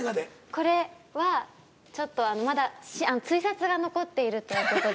これはちょっとまだ追撮が残っているという事で。